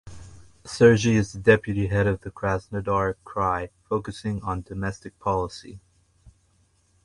Sergey is the Deputy Head of the Krasnodar Krai focusing on domestic policy.